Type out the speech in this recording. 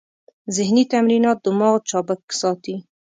ذهني تمرینات دماغ چابک ساتي.